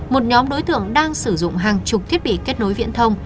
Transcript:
một nhóm đối tượng đang sử dụng hàng chục thiết bị kết nối viễn thông